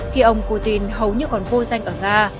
khi ông putin hầu như còn vô danh ở nga